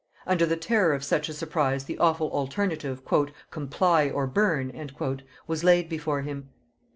Under the terror of such a surprise the awful alternative "Comply or burn" was laid before him.